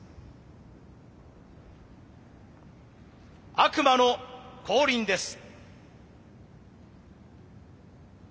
悪魔の降臨です。